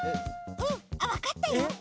あっわかったよ。